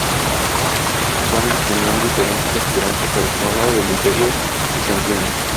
Ambos bandos tenían diferentes aspirantes al trono del Imperio Bizantino.